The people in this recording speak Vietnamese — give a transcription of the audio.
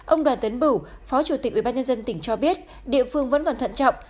ông đoàn tấn bửu phó chủ tịch ubnd tỉnh cho biết địa phương vẫn còn thận trọng